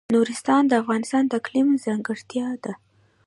نورستان د افغانستان د اقلیم ځانګړتیا ده.